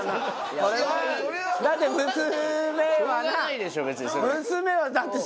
それはだって娘はな。